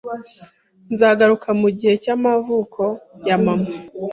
Nzagaruka mugihe cyamavuko ya mama